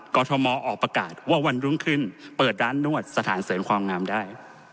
กรทมออกประกาศว่าวันรุ่งขึ้นเปิดร้านนวดสถานเสริมความงามได้